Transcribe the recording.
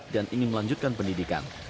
dan ingin melanjutkan pendidikan